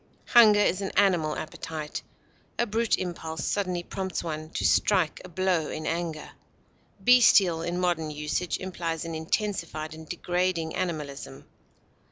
Hunger is an animal appetite; a brute impulse suddenly prompts one to strike a blow in anger. Bestial, in modern usage, implies an intensified and degrading animalism.